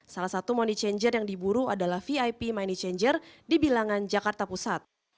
salah satu money changer yang diburu adalah vip money changer di bilangan jakarta pusat